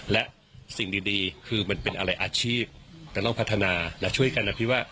และสิ่งดีคือมันเป็นอะไรอาชีพแต่ต้องพัฒนาและช่วยกันนะพี่ว่า